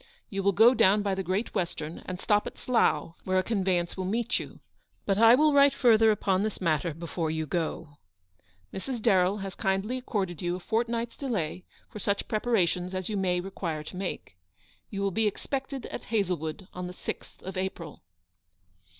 You will go down by the Great Western, and stop at Slough, where a convey ance will meet you ; but I will write farther upon this matter before you go. Mrs. Darrell has kindly accorded you a fortnight's delay for such preparations as you may require to make. You will be expected at Hazlewood on the 6th of April.